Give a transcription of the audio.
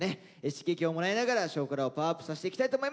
刺激をもらいながら「少クラ」をパワーアップさせていきたいと思います。